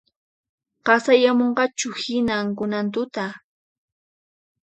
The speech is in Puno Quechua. Qasayamunqachuhina kunan tutaqa